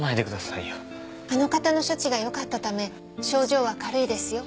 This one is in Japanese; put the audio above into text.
あの方の処置がよかったため症状は軽いですよ。